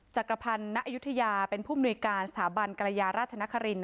จักรพันธ์ณอายุทยาเป็นผู้มนุยการสถาบันกรยาราชนคริน